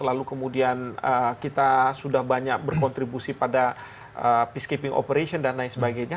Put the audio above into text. lalu kemudian kita sudah banyak berkontribusi pada peacekeeping operation dan lain sebagainya